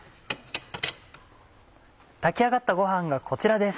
炊き上がったごはんがこちらです。